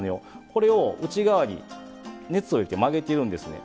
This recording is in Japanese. これを内側に熱を入れて曲げているんですね。